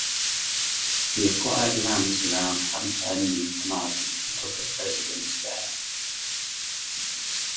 He acquired lands around Llanherne, in Carmarthen, and took up residence there.